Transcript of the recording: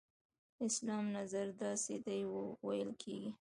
اسلام نظر داسې دی ویل کېږي.